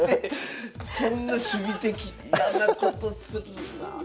そんな守備的嫌なことするな。